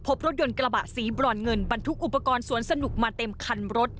พบรถยนต์กระบะสีบรอนเงินบรรทุกอุปกรณ์สวนสนุกมาเต็มคันรถ